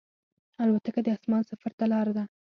الوتکه د اسمان سفر ته لاره ده.